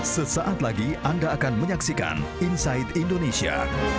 sesaat lagi anda akan menyaksikan inside indonesia